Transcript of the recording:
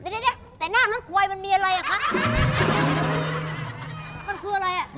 เดี๋ยวแต่หน้ากล้องควายมันมีอะไรเฮฮะ